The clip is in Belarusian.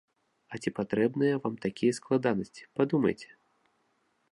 А ці патрэбныя вам такія складанасці, падумайце?